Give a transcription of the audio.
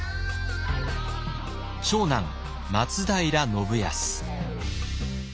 長男松平信康。